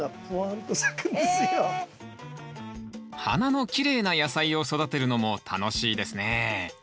花のきれいな野菜を育てるのも楽しいですね。